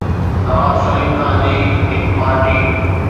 نواب سليم خان جي هڪ پارٽي